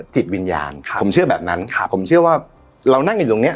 จิตวิญญาณผมเชื่อแบบนั้นผมเชื่อว่าเรานั่งอยู่ตรงเนี้ย